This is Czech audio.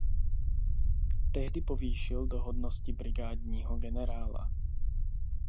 Tehdy povýšil do hodnosti brigádního generála.